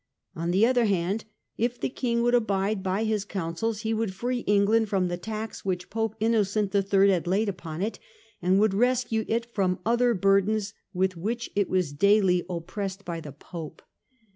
On the other hand, if the King would abide by his counsels, he would free England from the tax which Pope Innocent the Third had laid upon it and. would rescue it from other burdens with which it was daily oppressed by the Pope.